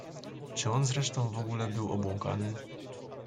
"Czy on zresztą w ogóle był obłąkany?"